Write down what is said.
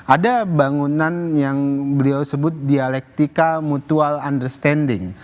ada bangunan yang beliau sebut dialektika mutual understanding